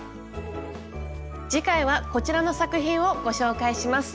次回はこちらの作品をご紹介します。